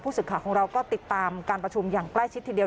ศึกข่าวของเราก็ติดตามการประชุมอย่างใกล้ชิดทีเดียว